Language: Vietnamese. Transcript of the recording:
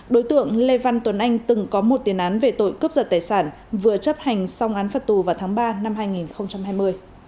đối tượng lê văn tuấn anh từng có một tiền án về tội cướp giật tài sản vừa chấp hành xong án phạt tù vào tháng ba năm hai nghìn hai mươi